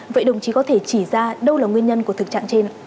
vậy đồng chí có thể chỉ ra đâu là nguyên nhân của thực trạng trên ạ